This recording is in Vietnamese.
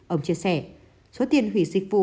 ông chia sẻ số tiền hủy dịch vụ